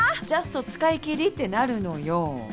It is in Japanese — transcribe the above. ジャスト使い切りってなるのよ。